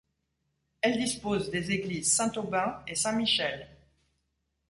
Elle dispose des églises Saint-Aubin et Saint-Michel.